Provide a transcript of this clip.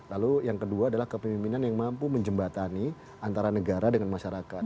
lalu yang kedua adalah kepemimpinan yang mampu menjembatani antara negara dengan masyarakat